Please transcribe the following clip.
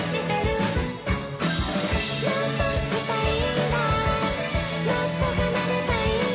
「もっと弾きたいんだもっと奏でたいんだ」